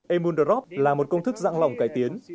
emundrop là một công thức dạng lòng cải tiến